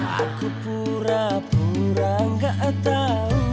aku pura pura gak tau